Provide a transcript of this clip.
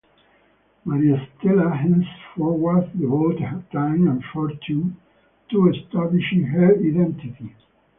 Maria Stella henceforward devoted her time and fortune to establishing her identity.